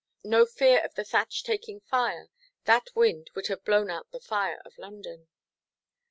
No fear of the thatch taking fire: that wind would have blown out the fire of London.